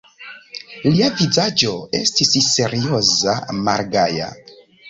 Lia vizaĝo estis serioza, malgaja.